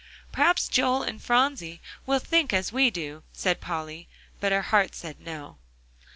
"Perhaps Joel and Phronsie will think as we do," said Polly. But her heart said No.